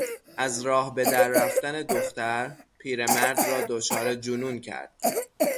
از راه به در رفتن دختر، پیرمرد را دچار جنون کرد.